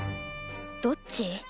どっち？